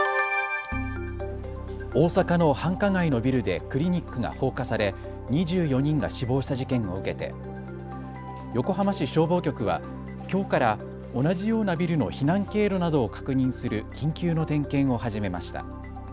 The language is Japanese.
大阪の繁華街のビルでクリニックが放火され２４人が死亡した事件を受けて横浜市消防局はきょうから同じようなビルの避難経路などを確認する緊急の点検を始めました。